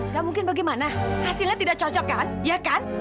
nah mungkin bagaimana hasilnya tidak cocok kan ya kan